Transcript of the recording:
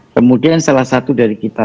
kemudian salah satu dari kita